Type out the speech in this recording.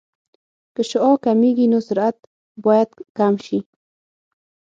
که شعاع کمېږي نو سرعت باید کم شي